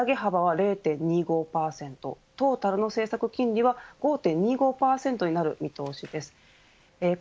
ここで利上げ幅は０．２５％トータルの政策金利は５．２５％になる見通しです。